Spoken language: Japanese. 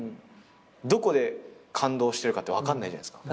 どこで感動してるかって分かんないじゃないっすか。